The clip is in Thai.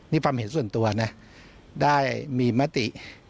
นี่ความเห็นส่วนตัวนะได้มีมติ